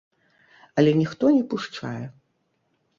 Але ніхто не пушчае.